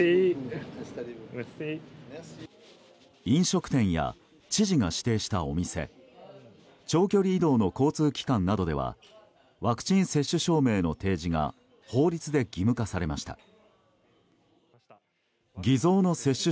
飲食店や知事が指定したお店長距離移動の交通機関などではワクチン接種証明の提示が法律で義務化されました。